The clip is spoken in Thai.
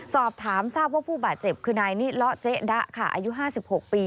สอบถามทราบว่าผู้บาดเจ็บคือนายนิเลาะเจ๊ดะค่ะอายุ๕๖ปี